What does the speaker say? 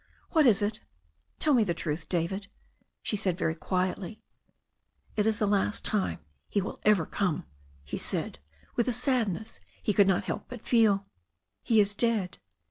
"What is it? Tell me the truth, David," she said very quietly. "It is the last time he will ever come," he said, with a sadness he could not help but feel. "He is dead!"